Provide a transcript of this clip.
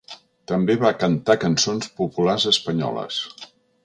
També va cantar cançons populars espanyoles.